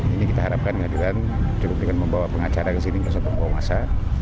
ini kita harapkan hadiran cukup dengan membawa pengacara ke sini peserta panggung masa